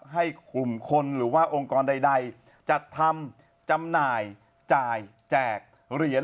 ให้กลุ่มคนหรือว่าองค์กรใดจัดทำจำหน่ายจ่ายแจกเหรียญ